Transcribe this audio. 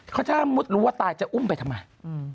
ถ้ามุติรู้ว่าตายจะอุ้มไปทำไม